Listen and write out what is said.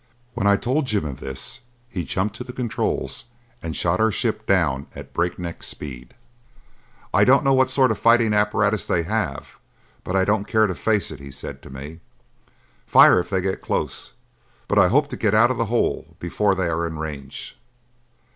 When I told Jim of this he jumped to the controls and shot our ship down at breakneck speed. "I don't know what sort of fighting apparatus they have, but I don't care to face it," he said to me. "Fire if they get close; but I hope to get out of the hole before they are in range."